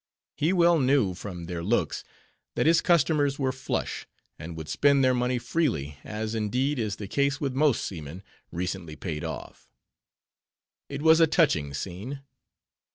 He well knew, from their looks, that his customers were "flush," and would spend their money freely, as, indeed, is the case with most seamen, recently paid off. It was a touching scene.